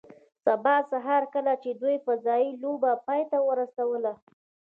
سبا سهار کله چې دوی فضايي لوبه پای ته ورسوله